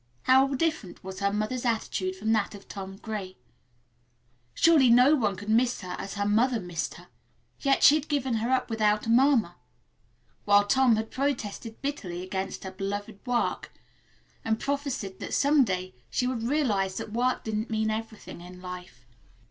How different was her mother's attitude from that of Tom Gray. Surely no one could miss her as her mother missed her, yet she had given her up without a murmur, while Tom had protested bitterly against her beloved work and prophesied that some day she would realize that work didn't mean everything in life.